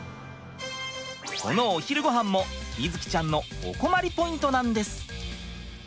このお昼ごはんも瑞己ちゃんのお困りポイントなんです！